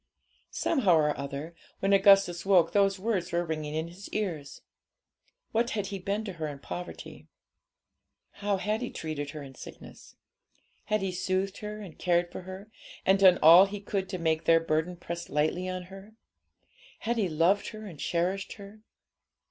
Somehow or other, when Augustus woke, those words were ringing in his ears. What had he been to her in poverty? How had he treated her in sickness? Had he soothed her and cared for her, and done all he could to make their burden press lightly on her? Had he loved her and cherished her?